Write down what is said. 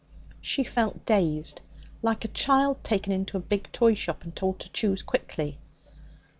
She felt dazed, like a child taken into a big toy shop and told to choose quickly.